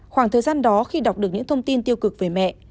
khoảng thời gian đó khi đọc được những thông tin tiêu cực về mẹ